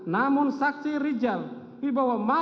namun saksi rijal wibowo